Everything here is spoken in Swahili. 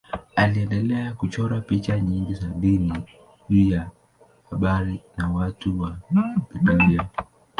Aliendelea kuchora picha nyingi za dini juu ya habari na watu wa Biblia.